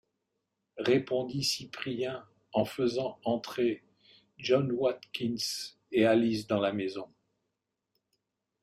répondit Cyprien en faisant entrer John Watkins et Alice dans la maison.